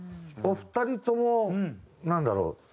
お二人ともなんだろう？